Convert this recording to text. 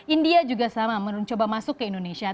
india juga sama mencoba masuk ke indonesia